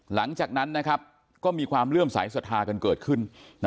หลังจากนั้นนะครับก็มีความเรื่องสายสทากันเกิดขึ้น